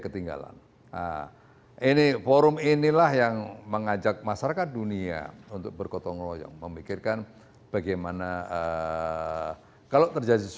sehingga distribusi covid eh distribusi vaksin itu tidak merata pada negara negara yang mestinya harus mendapatkan vaksin